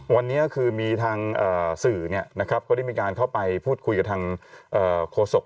วันนี้คือมีทางสื่อก็ได้มีการเข้าไปพูดคุยกับทางโฆษก